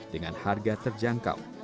dengan harga terjangkau